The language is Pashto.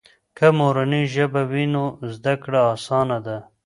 که مورنۍ ژبه وي، نو زده کړه آسانه ده.